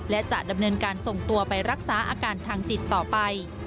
และจะดำเนินการส่งตัวไปรักษาอาการทางจิตต่อไป